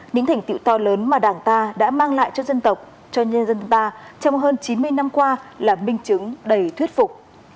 những thành tiệu to lớn mà đảng ta đã mang lại cho dân tộc cho nhân dân ta trong hơn chín mươi năm qua là minh chứng đầy thuyết phục